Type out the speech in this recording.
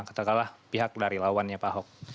katakanlah pihak dari lawannya pak ahok